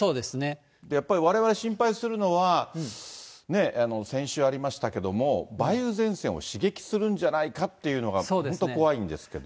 やっぱりわれわれ心配するのは、先週ありましたけれども、梅雨前線を刺激するんじゃないかっていうのが、本当、怖いんですけど。